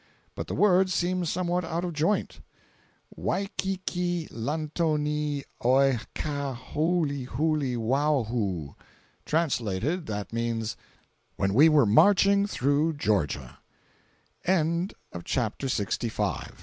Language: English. But the words seem somewhat out of joint: "Waikiki lantoni oe Kaa hooly hooly wawhoo." Translated, that means "When we were marching through Georgia." 472.jpg (28K) CHAP